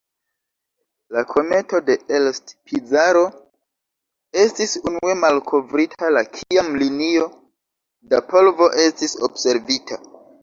La kometo de Elst-Pizarro estis unue malkovrita la kiam linio da polvo estis observita.